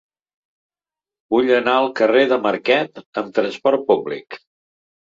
Vull anar al carrer de Marquet amb trasport públic.